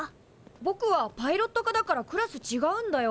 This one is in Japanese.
ぼくはパイロット科だからクラスちがうんだよ。